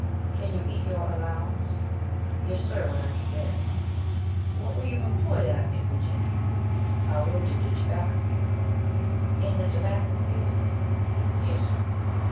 "Can you eat your allowance?" "Yes, sir, when I can get it." "What were you employed at in Virginia?" "I worked in de terbacar feel." "In the tobacco field?" "Yes, sir."